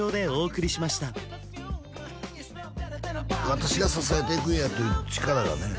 私が支えていくんやという力がね